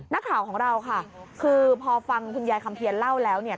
นักข่าวของเราค่ะคือพอฟังคุณยายคำเพียรเล่าแล้วเนี่ย